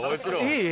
いい？